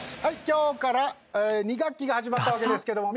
今日から２学期が始まったわけですけども。